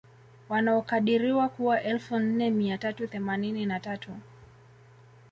Wanaokadiriwa kuwa elfu nne mia tatu themanini na tatu